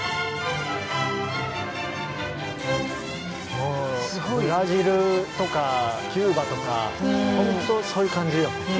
もうブラジルとかキューバとかほんとそういう感じ。